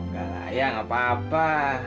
gak lah ayah gapapa